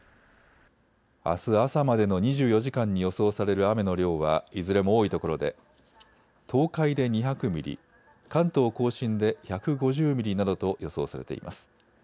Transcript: あす朝までの２４時間に予想される雨の量はいずれも多いところで東海で２００ミリ、関東甲信で１５０ミリなどと予想されています。